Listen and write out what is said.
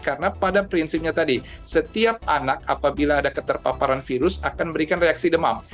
karena pada prinsipnya tadi setiap anak apabila ada keterpaparan virus akan memberikan reaksi demam